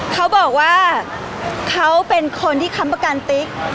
เขาบอกว่าเขาเป็นคนที่ค้ำประกันติ๊ก